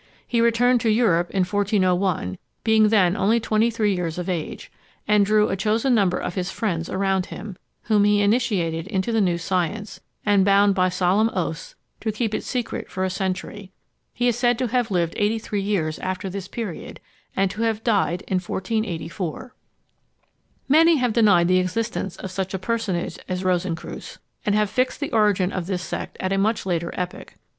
He returned to Europe in 1401, being then only twenty three years of age; and drew a chosen number of his friends around him, whom he initiated into the new science, and bound by solemn oaths to keep it secret for a century. He is said to have lived eighty three years after this period, and to have died in 1484. Many have denied the existence of such a personage as Rosencreutz, and have fixed the origin of this sect at a much later epoch.